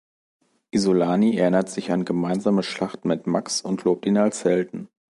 Isolani erinnert sich an gemeinsame Schlachten mit Max und lobt ihn als Helden.